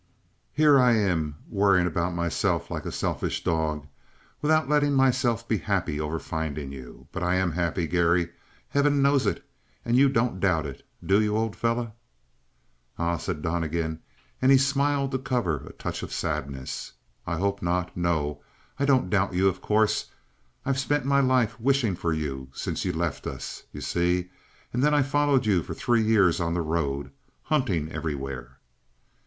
Here I am worrying about myself like a selfish dog without letting myself be happy over finding you. But I am happy, Garry. Heaven knows it. And you don't doubt it, do you, old fellow?" "Ah," said Donnegan, and he smiled to cover a touch of sadness. "I hope not. No, I don't doubt you, of course. I've spent my life wishing for you since you left us, you see. And then I followed you for three years on the road, hunting everywhere."